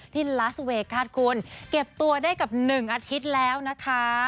ที่ลัสเวย์คาดคุณเก็บตัวได้กับหนึ่งอาทิตย์แล้วนะคะ